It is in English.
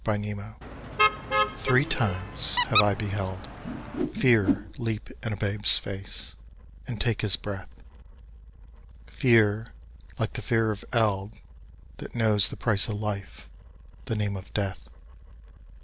THE TREASURE Three times have I beheld Fear leap in a babe's face, and take his breath, Fear, like the fear of eld That knows the price of life, the name of death.